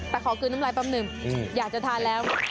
แต่ขอกลืนน้ำลายแป๊บหนึ่งอยากจะทานแล้ว